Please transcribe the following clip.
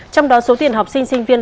trong đó số tiền học sinh sinh viên